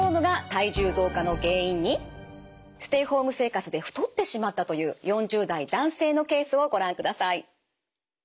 ステイホーム生活で太ってしまったという４０代男性のケースをご覧ください。